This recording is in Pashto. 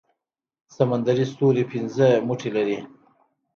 سمندري ستوری پنځه مټې لري